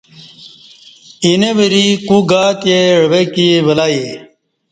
اینہ وری کو گاتے عویکی ولہ یے